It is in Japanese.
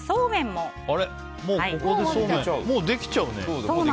もうできちゃうね。